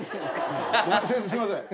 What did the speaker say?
先生すいません。